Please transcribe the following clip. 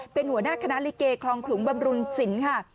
เป็นหัวหน้าคณะลิเกคลองขลุงบำรุนศิลป์ค่ะ